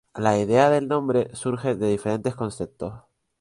La idea del nombre surge de diferentes conceptos.